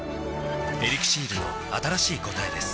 「エリクシール」の新しい答えです